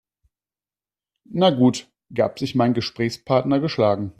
Na gut, gab sich mein Gesprächspartner geschlagen.